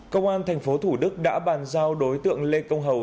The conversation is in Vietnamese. công an thành phố thủ đức đã bàn giao đối tượng lê công hầu